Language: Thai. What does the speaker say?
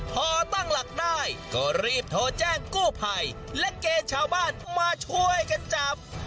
พอตั้งหลักได้ก็รีบโทรแจ้งกู้ภัยและเกณฑ์ชาวบ้านมาช่วยกันจับ